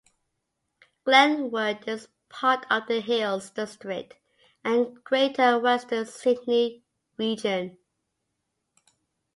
Glenwood is part of the Hills District and Greater Western Sydney region.